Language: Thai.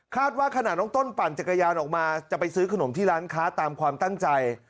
ว่าขณะน้องต้นปั่นจักรยานออกมาจะไปซื้อขนมที่ร้านค้าตามความตั้งใจ